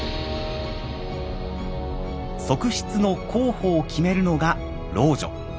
側室の候補を決めるのが老女。